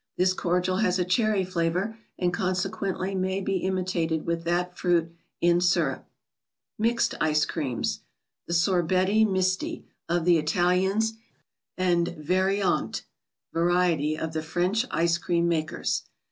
This cordial has a cherry flavor, and consequently may be imitated with that fruit in syrup. 3jce>Creamg. The Sorbetti Misti, of the Italians, and Vari ante (variety), of the French ice cream makers.